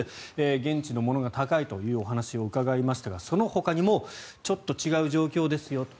現地のものが高いという話を伺いましたがそのほかにもちょっと違う状況ですよと。